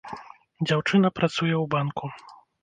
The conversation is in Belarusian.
Дзяўчына працуе у банку.